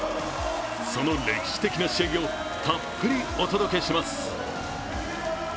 その歴史的な試合をたっぷりお届けします。